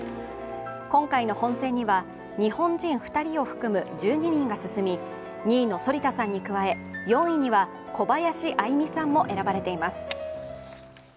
今回の本選には日本人２人を含む１２人が進み２位の反田さんに加え、４位には小林愛実さんも選ばれています。